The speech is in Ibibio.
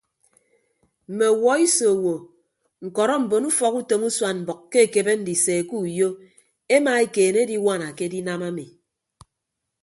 Mme ọwuọ iso owo ñkọrọ mbon ufọkutom usuan mbʌk ke ekebe ndise ke uyo emaekeene ediwana ke edinam ami.